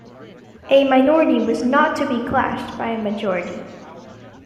A minority was not to be clashed by a majority.